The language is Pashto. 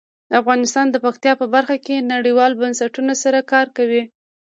افغانستان د پکتیا په برخه کې نړیوالو بنسټونو سره کار کوي.